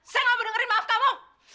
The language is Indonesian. saya nggak mau dengerin maaf kamu